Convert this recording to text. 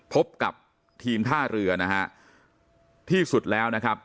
พบกับทีมท่าเรือนะฮะที่สุดแล้วนะครับ